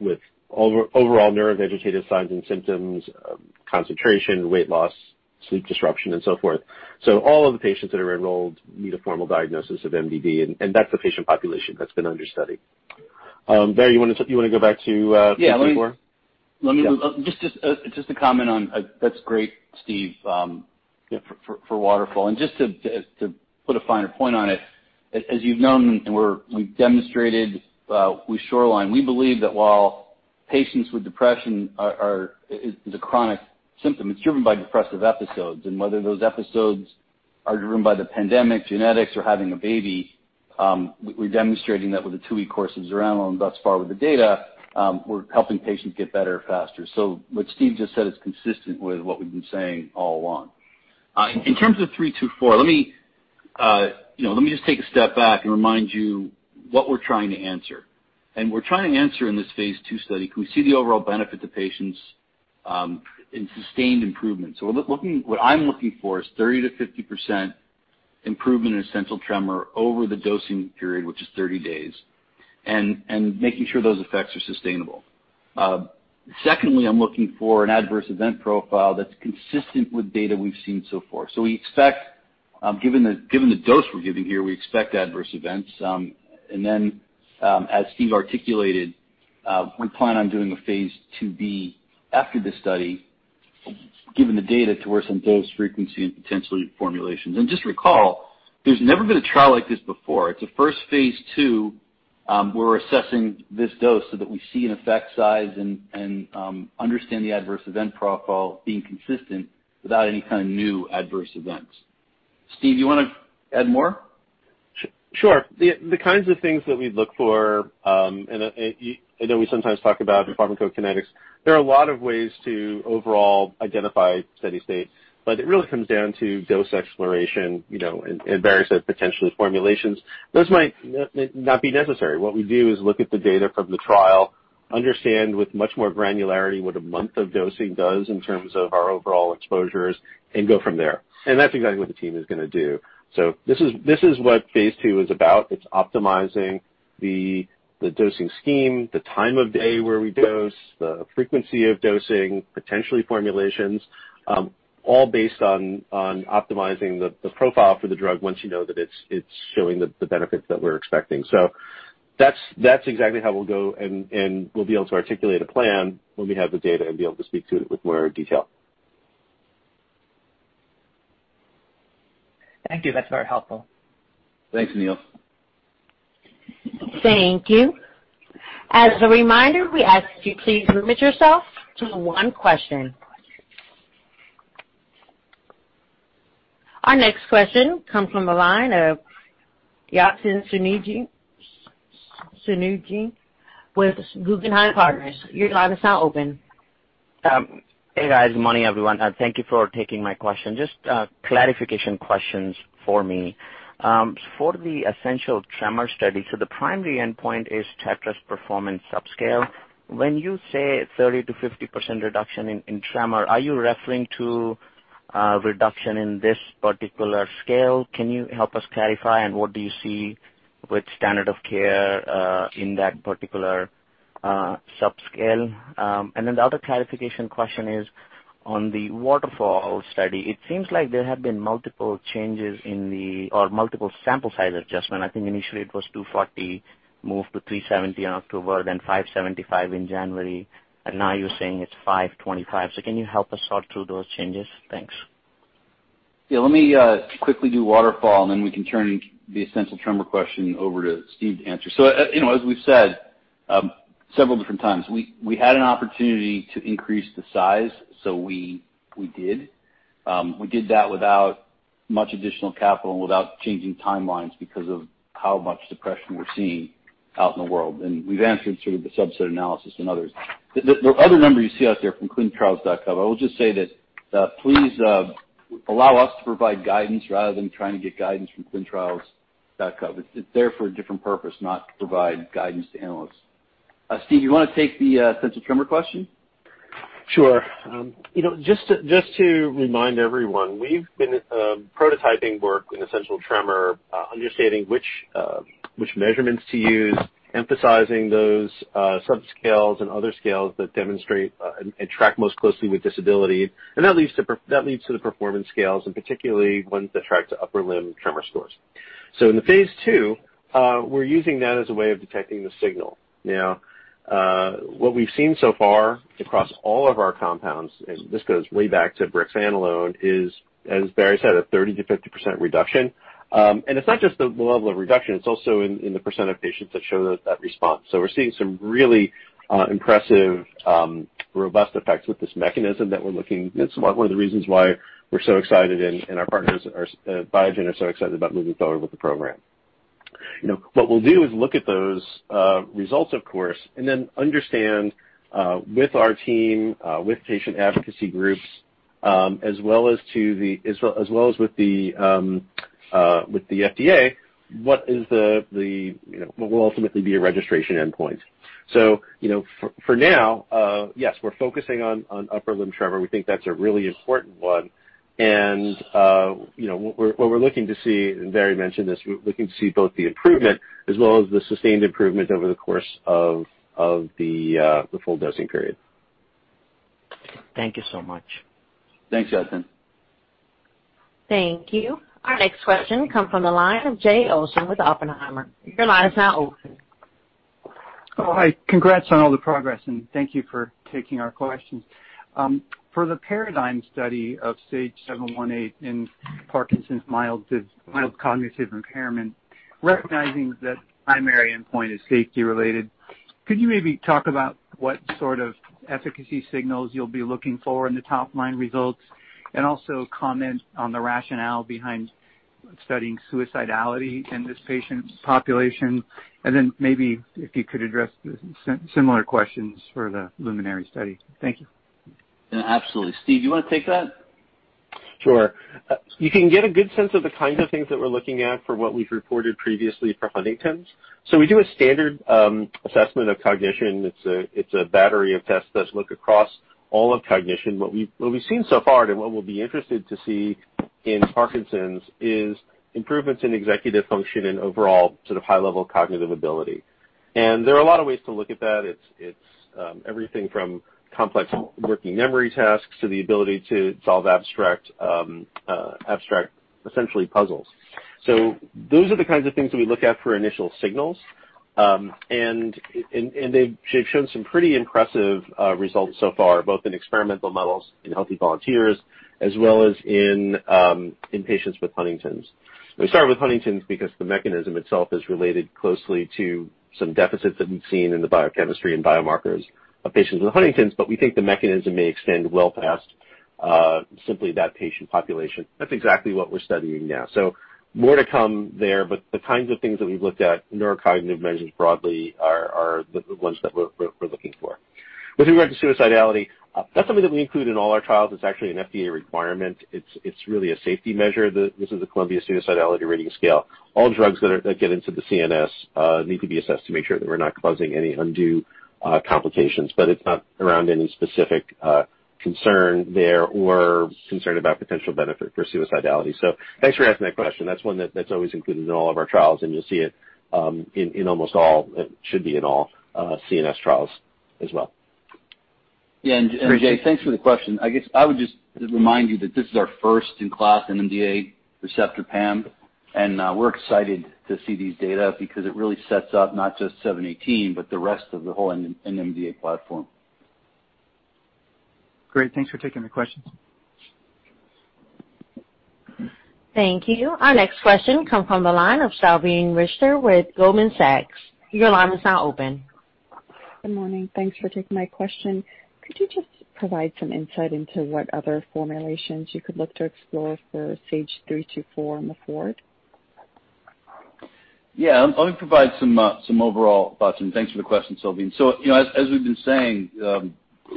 with overall neuro vegetative signs and symptoms, concentration, weight loss, sleep disruption, and so forth. All of the patients that are enrolled need a formal diagnosis of MDD, and that's the patient population that's been under study. Barry, you want to go back to 324? Yeah. Just to comment on-- That's great, Steve, for WATERFALL. Just to put a finer point on it, as you've known and we've demonstrated with SHORELINE, we believe that while patients with depression is a chronic symptom, it's driven by depressive episodes and whether those episodes are driven by the pandemic, genetics, or having a baby. We're demonstrating that with the two-week course of zuranolone, thus far with the data, we're helping patients get better faster. What Steve just said is consistent with what we've been saying all along. In terms of 324, let me just take a step back and remind you what we're trying to answer. We're trying to answer in this phase II study, can we see the overall benefit to patients in sustained improvement? What I'm looking for is 30%-50% improvement in essential tremor over the dosing period, which is 30 days, and making sure those effects are sustainable. Secondly, I'm looking for an adverse event profile that's consistent with data we've seen so far. We expect, given the dose we're giving here, we expect adverse events. As Steve articulated, we plan on doing a phase II-B after this study, given the data, to where some dose frequency and potentially formulations. Just recall, there's never been a trial like this before. It's the first phase II. We're assessing this dose so that we see an effect size and understand the adverse event profile being consistent without any kind of new adverse events. Steve, you want to add more? Sure. The kinds of things that we'd look for, I know we sometimes talk about pharmacokinetics. It really comes down to dose exploration, and Barry said, potentially formulations. Those might not be necessary. What we do is look at the data from the trial, understand with much more granularity what a month of dosing does in terms of our overall exposures, and go from there. That's exactly what the team is going to do. This is what phase II is about. It's optimizing the dosing scheme, the time of day where we dose, the frequency of dosing, potentially formulations, all based on optimizing the profile for the drug once you know that it's showing the benefits that we're expecting. That's exactly how we'll go, and we'll be able to articulate a plan when we have the data and be able to speak to it with more detail. Thank you. That's very helpful. Thanks, [Leo]. Thank you. As a reminder, we ask that you please limit yourself to one question. Our next question comes from the line of Yatin Suneja with Guggenheim Partners. Your line is now open. Hey, guys. Good morning, everyone, and thank you for taking my question. Just clarification questions for me. For the essential tremor study, the primary endpoint is tap test performance subscale. When you say 30%-50% reduction in tremor, are you referring to a reduction in this particular scale? Can you help us clarify? What do you see with standard of care in that particular subscale? The other clarification question is on the WATERFALL study. It seems like there have been multiple changes or multiple sample size adjustment. I think initially it was 240, moved to 370 in October, then 575 in January, and now you're saying it's 525. Can you help us sort through those changes? Thanks. Let me quickly do WATERFALL, and then we can turn the essential tremor question over to Steve to answer. As we've said several different times, we had an opportunity to increase the size, so we did. We did that without much additional capital and without changing timelines because of how much depression we're seeing out in the world. We've answered sort of the subset analysis and others. The other number you see out there from ClinicalTrials.gov, I will just say that please allow us to provide guidance rather than trying to get guidance from ClinicalTrials.gov. It's there for a different purpose, not to provide guidance to analysts. Steve, you want to take the essential tremor question? Sure. Just to remind everyone, we've been prototyping work in essential tremor, understanding which measurements to use, emphasizing those subscales and other scales that demonstrate and track most closely with disability. That leads to the performance scales, and particularly ones that track to upper limb tremor scores. In the phase II, we're using that as a way of detecting the signal. What we've seen so far across all of our compounds, and this goes way back to brexanolone, is, as Barry said, a 30%-50% reduction. It's not just the level of reduction, it's also in the percent of patients that show that response. We're seeing some really impressive, robust effects with this mechanism that we're looking. It's one of the reasons why we're so excited, and our partners at Biogen are so excited about moving forward with the program. What we'll do is look at those results, of course, and then understand with our team, with patient advocacy groups, as well as with the FDA, what will ultimately be a registration endpoint. For now yes, we're focusing on upper limb tremor. We think that's a really important one. What we're looking to see, and Barry mentioned this, we're looking to see both the improvement as well as the sustained improvement over the course of the full dosing period. Thank you so much. Thanks, Yatin. Thank you. Our next question comes from the line of Jay Olson with Oppenheimer. Your line is now open. Oh, hi. Congrats on all the progress, and thank you for taking our questions. For the PARADIGM study of SAGE-718 in Parkinson's mild cognitive impairment, recognizing that primary endpoint is safety related. Could you maybe talk about what sort of efficacy signals you'll be looking for in the top-line results, and also comment on the rationale behind studying suicidality in this patient population? Maybe if you could address the similar questions for the LUMINARY study. Thank you. Absolutely. Steve, you want to take that? Sure. You can get a good sense of the kinds of things that we're looking at for what we've reported previously for Huntington's. We do a standard assessment of cognition. It's a battery of tests that look across all of cognition. What we've seen so far, and what we'll be interested to see in Parkinson's, is improvements in executive function and overall high-level cognitive ability. There are a lot of ways to look at that. It's everything from complex working memory tasks to the ability to solve abstract, essentially, puzzles. Those are the kinds of things that we look at for initial signals. They've shown some pretty impressive results so far, both in experimental models in healthy volunteers, as well as in patients with Huntington's. We started with Huntington's because the mechanism itself is related closely to some deficits that we've seen in the biochemistry and biomarkers of patients with Huntington's, but we think the mechanism may extend well past simply that patient population. That's exactly what we're studying now. More to come there, but the kinds of things that we've looked at, neurocognitive measures broadly, are the ones that we're looking for. With regard to suicidality, that's something that we include in all our trials. It's actually an FDA requirement. It's really a safety measure. This is the Columbia-Suicide Severity Rating Scale. All drugs that get into the CNS need to be assessed to make sure that we're not causing any undue complications. It's not around any specific concern there or concern about potential benefit for suicidality. Thanks for asking that question. That's one that's always included in all of our trials, and you'll see it in almost all, should be in all, CNS trials as well. Jay, thanks for the question. I guess I would just remind you that this is our first-in-class NMDA receptor PAM, and we're excited to see these data because it really sets up not just 718, but the rest of the whole NMDA platform. Great. Thanks for taking the questions. Thank you. Our next question comes from the line of Salveen Richter with Goldman Sachs. Your line is now open. Good morning. Thanks for taking my question. Could you just provide some insight into what other formulations you could look to explore for phase III to IV? Yeah. Let me provide some overall thoughts, and thanks for the question, Salveen. As we've been saying,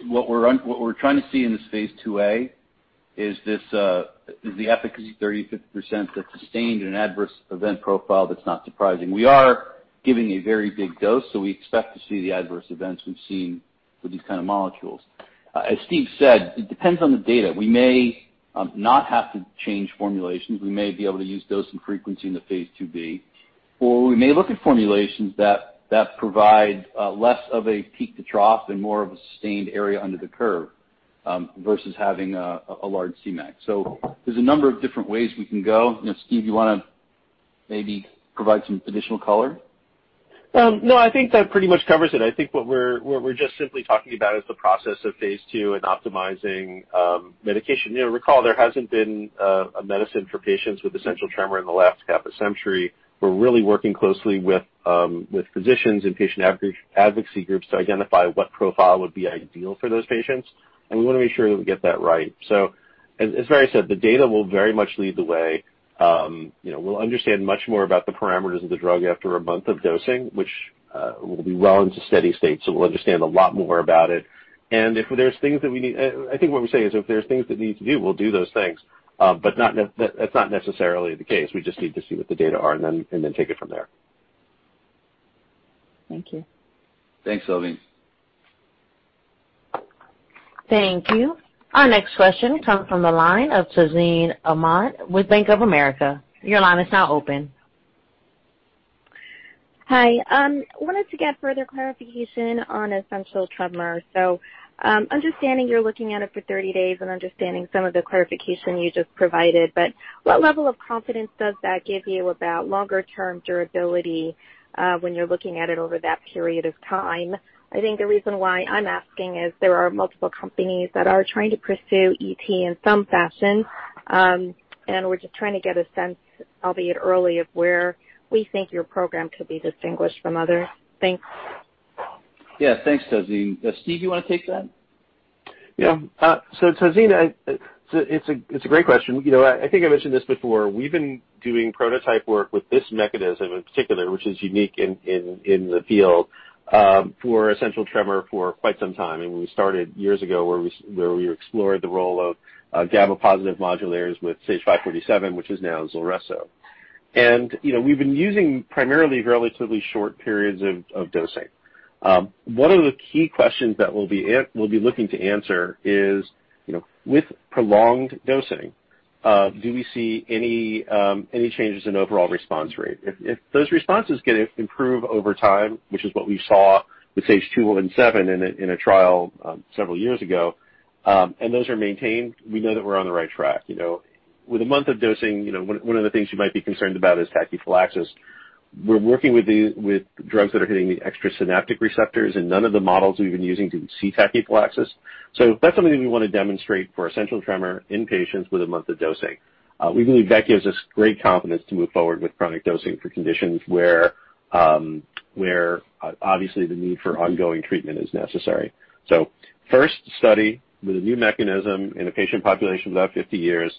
what we're trying to see in this phase II-A is the efficacy 30%-50% that's sustained in an adverse event profile that's not surprising. We are giving a very big dose, we expect to see the adverse events we've seen with these kind of molecules. As Steve said, it depends on the data. We may not have to change formulations. We may be able to use dose and frequency in the phase II-B, or we may look at formulations that provide less of a peak to trough and more of a sustained area under the curve versus having a large Cmax. There's a number of different ways we can go. Steve, you want to maybe provide some additional color? No, I think that pretty much covers it. I think what we're just simply talking about is the process of phase II and optimizing medication. Recall, there hasn't been a medicine for patients with essential tremor in the last half a century. We're really working closely with physicians and patient advocacy groups to identify what profile would be ideal for those patients, and we want to make sure that we get that right. As Barry said, the data will very much lead the way. We'll understand much more about the parameters of the drug after a month of dosing, which will be well into steady state, so we'll understand a lot more about it. I think what we say is if there's things that need to do, we'll do those things. That's not necessarily the case. We just need to see what the data are and then take it from there. Thank you. Thanks, Salveen. Thank you. Our next question comes from the line of Tazeen Ahmad with Bank of America. Your line is now open. Hi. I wanted to get further clarification on essential tremor. Understanding you're looking at it for 30 days and understanding some of the clarification you just provided, but what level of confidence does that give you about longer-term durability when you're looking at it over that period of time? I think the reason why I'm asking is there are multiple companies that are trying to pursue ET in some fashion, and we're just trying to get a sense, albeit early, of where we think your program could be distinguished from others. Thanks. Yeah. Thanks, Tazeen. Steve, you want to take that? Yeah. Tazeen, it's a great question. I think I mentioned this before. We've been doing prototype work with this mechanism in particular, which is unique in the field for essential tremor for quite some time. We started years ago where we explored the role of GABA positive modulators with SAGE-547, which is now ZULRESSO. We've been using primarily relatively short periods of dosing. One of the key questions that we'll be looking to answer is, with prolonged dosing, do we see any changes in overall response rate? If those responses improve over time, which is what we saw with SAGE-217 in a trial several years ago, and those are maintained, we know that we're on the right track. With a month of dosing, one of the things you might be concerned about is tachyphylaxis. We're working with drugs that are hitting the extrasynaptic receptors, and none of the models we've been using do we see tachyphylaxis. That's something that we want to demonstrate for essential tremor in patients within a month of dosing. We believe that gives us great confidence to move forward with chronic dosing for conditions where obviously the need for ongoing treatment is necessary. First study with a new mechanism in a patient population of about 50 years,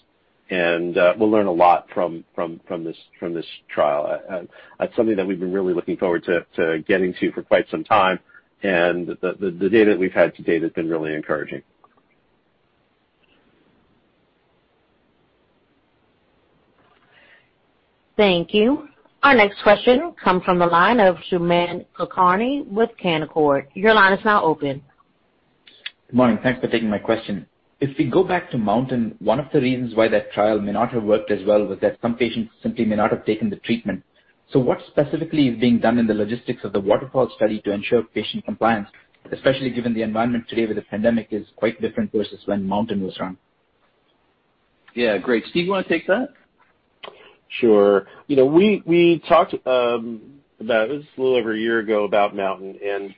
and we'll learn a lot from this trial. It's something that we've been really looking forward to getting to for quite some time. The data that we've had to date has been really encouraging. Thank you. Our next question comes from the line of Sumant Kulkarni with Canaccord. Your line is now open. Good morning. Thanks for taking my question. If we go back to MOUNTAIN, one of the reasons why that trial may not have worked as well was that some patients simply may not have taken the treatment. What specifically is being done in the logistics of the WATERFALL study to ensure patient compliance, especially given the environment today where the pandemic is quite different versus when MOUNTAIN was run? Yeah. Great. Steve, you want to take that? Sure. We talked, it was a little over a year ago, about MOUNTAIN.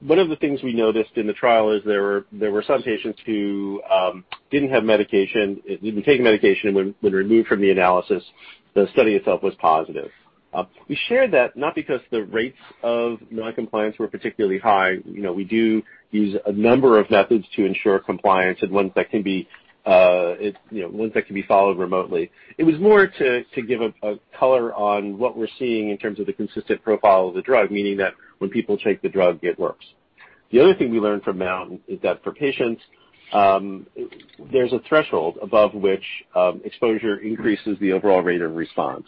One of the things we noticed in the trial is there were some patients who didn't have medication, didn't take medication, and when removed from the analysis, the study itself was positive. We shared that not because the rates of non-compliance were particularly high. We do use a number of methods to ensure compliance and ones that can be followed remotely. It was more to give a color on what we're seeing in terms of the consistent profile of the drug, meaning that when people take the drug, it works. The other thing we learned from MOUNTAIN is that for patients, there's a threshold above which exposure increases the overall rate of response.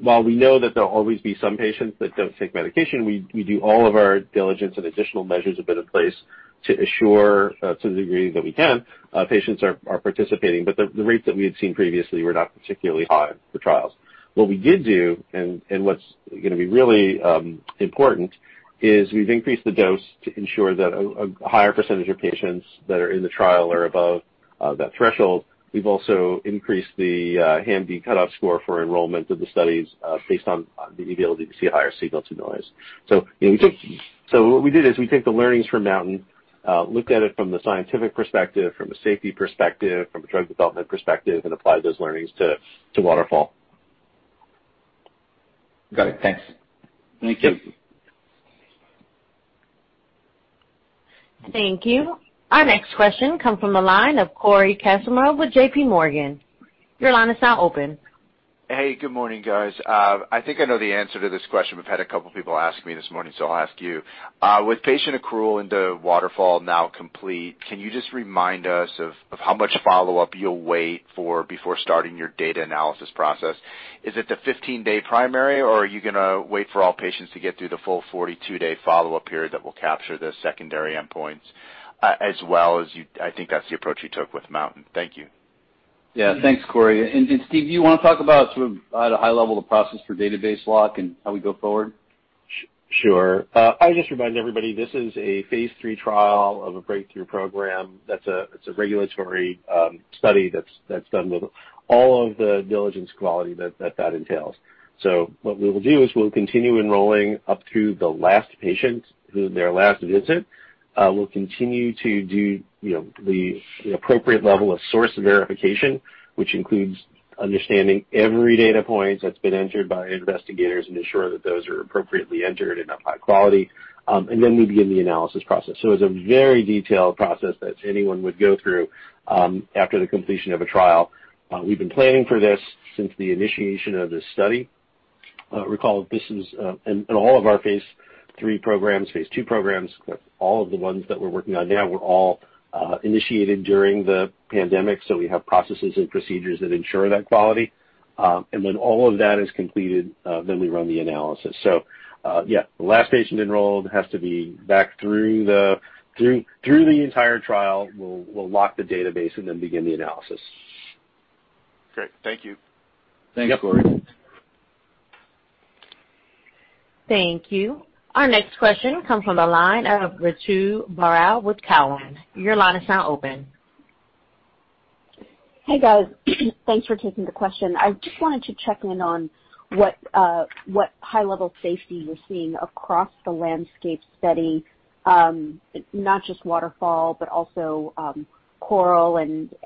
While we know that there'll always be some patients that don't take medication, we do all of our diligence and additional measures have been in place to assure, to the degree that we can, patients are participating. The rates that we had seen previously were not particularly high for trials. We did do, and what's going to be really important, is we've increased the dose to ensure that a higher percentage of patients that are in the trial are above that threshold. We've also increased the HAM-D cutoff score for enrollment of the studies, based on the ability to see a higher signal to noise. What we did is we took the learnings from MOUNTAIN, looked at it from the scientific perspective, from a safety perspective, from a drug development perspective, and applied those learnings to WATERFALL. Got it. Thanks. Thank you. Thank you. Our next question comes from the line of Cory Kasimov with JPMorgan. Your line is now open. Hey, good morning, guys. I think I know the answer to this question. We've had a couple people ask me this morning, so I'll ask you. With patient accrual into WATERFALL now complete, can you just remind us of how much follow-up you'll wait for before starting your data analysis process? Is it the 15-day primary, or are you going to wait for all patients to get through the full 42-day follow-up period that will capture the secondary endpoints, as well as I think that's the approach you took with MOUNTAIN. Thank you. Yeah. Thanks, Cory. Steve, do you want to talk about, at a high level, the process for database lock and how we go forward? Sure. I would just remind everybody, this is a phase III trial of a breakthrough program that's a regulatory study that's done with all of the diligence quality that entails. What we will do is we'll continue enrolling up through the last patient, through their last visit. We'll continue to do the appropriate level of source verification, which includes understanding every data point that's been entered by investigators and ensure that those are appropriately entered and of high quality. We begin the analysis process. It's a very detailed process that anyone would go through after the completion of a trial. We've been planning for this since the initiation of this study. Recall, all of our phase III programs, phase II programs, all of the ones that we're working on now were all initiated during the pandemic, we have processes and procedures that ensure that quality. When all of that is completed, then we run the analysis. Yeah. The last patient enrolled has to be back through the entire trial. We'll lock the database and then begin the analysis. Great. Thank you. Thanks, Cory. Thank you. Our next question comes from the line of Ritu Baral with Cowen. Your line is now open. Hey, guys. Thanks for taking the question. I just wanted to check in on what high-level safety you're seeing across the LANDSCAPE study. Not just WATERFALL, but also CORAL and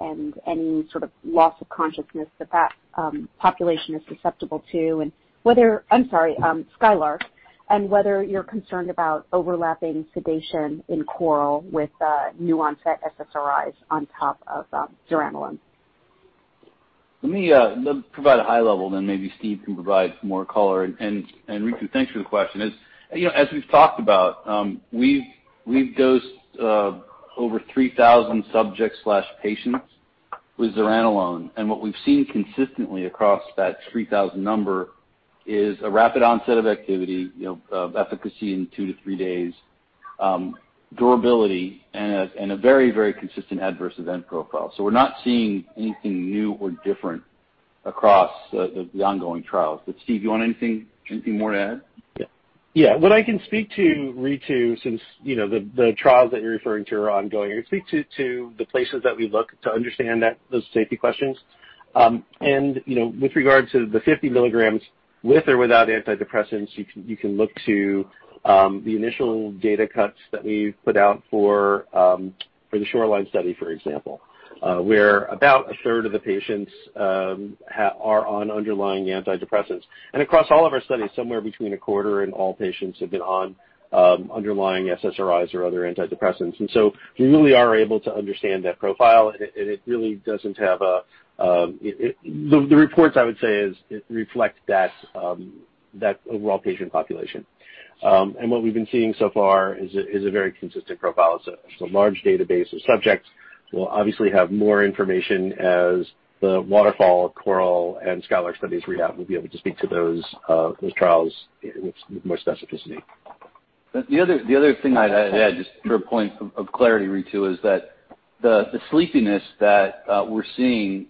any sort of loss of consciousness that population is susceptible to, I'm sorry, SKYLARK. Whether you're concerned about overlapping sedation in CORAL with new onset SSRIs on top of zuranolone. Let me provide a high level, then maybe Steve can provide some more color. Ritu, thanks for the question. As we've talked about, we've dosed over 3,000 subjects/patients with zuranolone, and what we've seen consistently across that 3,000 number is a rapid onset of activity, of efficacy in two to three days, durability, and a very consistent adverse event profile. We're not seeing anything new or different across the ongoing trials. Steve, you want anything more to add? Yeah. What I can speak to, Ritu, since the trials that you're referring to are ongoing, I can speak to the places that we look to understand those safety questions. With regard to the 50 mg with or without antidepressants, you can look to the initial data cuts that we put out for the SHORELINE study, for example, where about a third of the patients are on underlying antidepressants. Across all of our studies, somewhere between a quarter and all patients have been on underlying SSRIs or other antidepressants. We really are able to understand that profile, and the reports, I would say, reflect that overall patient population. What we've been seeing so far is a very consistent profile. It's a large database of subjects. We'll obviously have more information as the WATERFALL, CORAL, and SKYLARK studies read out. We'll be able to speak to those trials with more specificity. The other thing I'd add, just for a point of clarity, Ritu, is that the sleepiness that we're seeing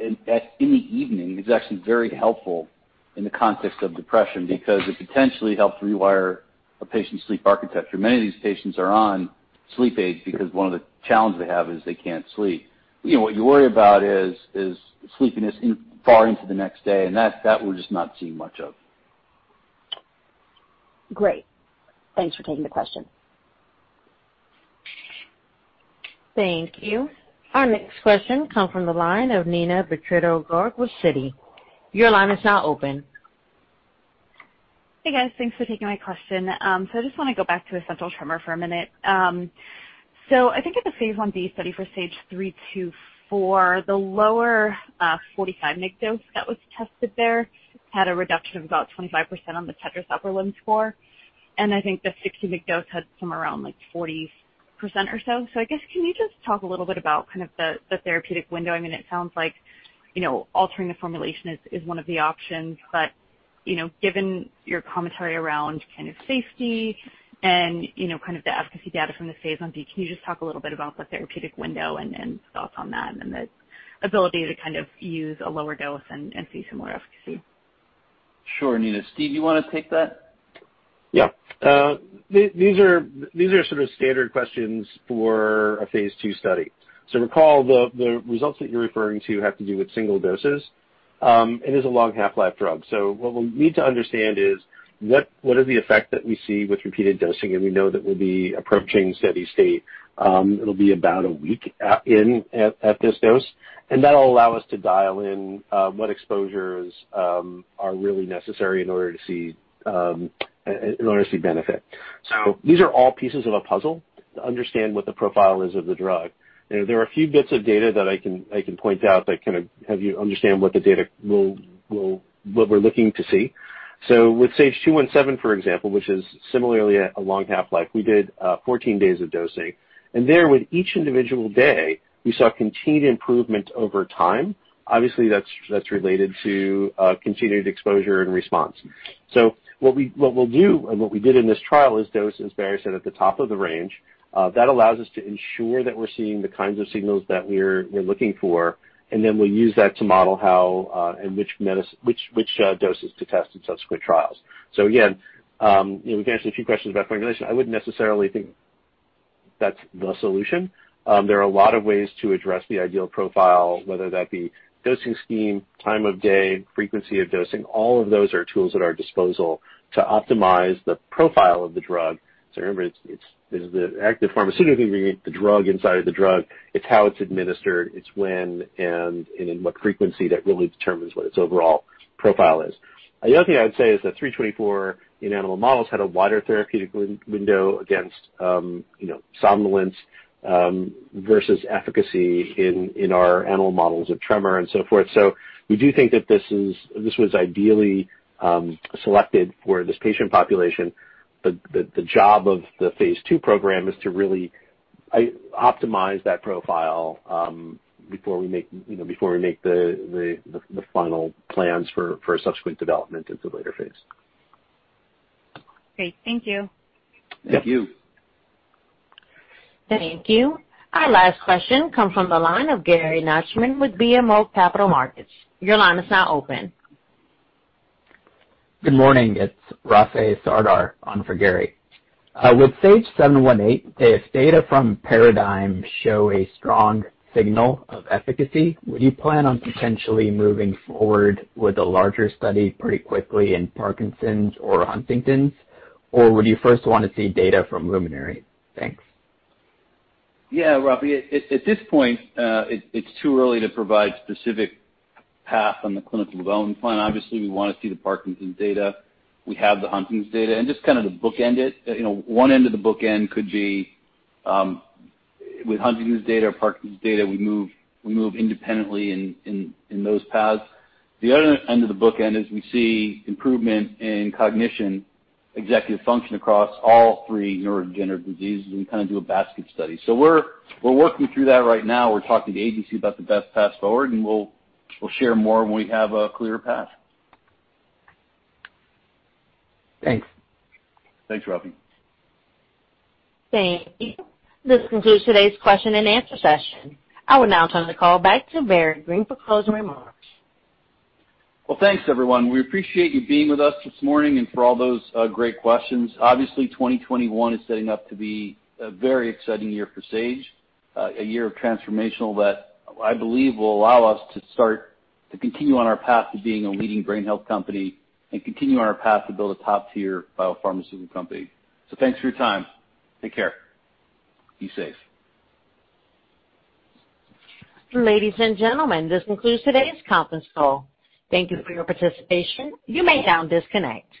in the evening is actually very helpful in the context of depression because it potentially helps rewire a patient's sleep architecture. Many of these patients are on sleep aids because one of the challenges they have is they can't sleep. What you worry about is sleepiness far into the next day, and that we're just not seeing much of. Great. Thanks for taking the question. Thank you. Our next question comes from the line of Neena Bitritto-Garg with Citi. Your line is now open. Hey, guys. Thanks for taking my question. I just want to go back to essential tremor for a minute. I think at the phase I-B study for SAGE-324, the lower 45 mg dose that was tested there had a reduction of about 25% on the TETRAS upper limb score. I think the 60 mg dose had somewhere around 40% or so. I guess can you just talk a little bit about the therapeutic window? It sounds like altering the formulation is one of the options, but given your commentary around safety and the efficacy data from the phase I-B, can you just talk a little bit about the therapeutic window and thoughts on that and the ability to use a lower dose and see similar efficacy? Sure, Neena. Steve, you want to take that? Yeah. These are sort of standard questions for a phase II study. Recall, the results that you're referring to have to do with single doses. It is a long half-life drug. What we'll need to understand is what is the effect that we see with repeated dosing, and we know that we'll be approaching steady state. It'll be about a week in at this dose, and that'll allow us to dial in what exposures are really necessary in order to see benefit. These are all pieces of a puzzle to understand what the profile is of the drug. There are a few bits of data that I can point out that can have you understand what the data we're looking to see. With SAGE-217, for example, which is similarly a long half-life, we did 14 days of dosing, and there with each individual day, we saw continued improvement over time. Obviously, that's related to continued exposure and response. What we'll do, and what we did in this trial is dose, as Barry said, at the top of the range. That allows us to ensure that we're seeing the kinds of signals that we're looking for, and then we'll use that to model which doses to test in subsequent trials. Again, we can answer a few questions about formulation. I wouldn't necessarily think that's the solution. There are a lot of ways to address the ideal profile, whether that be dosing scheme, time of day, frequency of dosing. All of those are tools at our disposal to optimize the profile of the drug. Remember, it's the active pharmaceutical ingredient, the drug inside of the drug. It's how it's administered. It's when and in what frequency that really determines what its overall profile is. The other thing I'd say is that 324 in animal models had a wider therapeutic window against somnolence versus efficacy in our animal models of tremor and so forth. We do think that this was ideally selected for this patient population. The job of the phase II program is to really optimize that profile before we make the final plans for subsequent development into the later phase. Great. Thank you. Yeah. Thank you. Thank you. Our last question comes from the line of Gary Nachman with BMO Capital Markets. Your line is now open. Good morning. It's Rafay Sardar on for Gary. With SAGE-718, if data from PARADIGM show a strong signal of efficacy, would you plan on potentially moving forward with a larger study pretty quickly in Parkinson's or Huntington's, or would you first want to see data from LUMINARY? Thanks. Yeah, Rafay. At this point, it's too early to provide specific path on the clinical development plan. Obviously, we want to see the Parkinson's data. We have the Huntington's data, just to bookend it. One end of the bookend could be with Huntington's data or Parkinson's data, we move independently in those paths. The other end of the bookend is we see improvement in cognition, executive function across all three neurodegenerative diseases, and we kind of do a basket study. We're working through that right now. We're talking to agency about the best path forward, and we'll share more when we have a clearer path. Thanks. Thanks, Rafay. Thank you. This concludes today's question and answer session. I would now turn the call back to Barry Greene for closing remarks. Thanks everyone. We appreciate you being with us this morning and for all those great questions. Obviously, 2021 is setting up to be a very exciting year for Sage. A year of transformational that I believe will allow us to continue on our path to being a leading brain health company and continue on our path to build a top-tier biopharmaceutical company. Thanks for your time. Take care. Be safe. Ladies and gentlemen, this concludes today's conference call. Thank you for your participation. You may now disconnect.